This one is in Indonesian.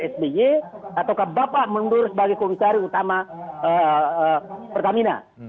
sby atau bapak mundur sebagai komisar utama pertamina